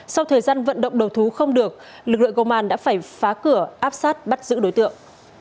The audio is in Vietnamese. sau thời gian vận động đầu thú không được lực lượng công an đã phải phá cửa áp sát bắt giữ đối tượng